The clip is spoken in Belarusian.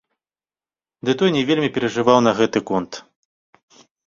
Дый той не вельмі перажываў на гэты конт.